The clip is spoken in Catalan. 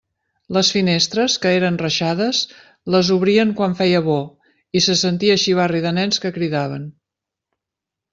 Les finestres, que eren reixades, les obrien quan feia bo, i se sentia xivarri de nens que cridaven.